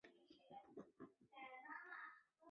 特赫里。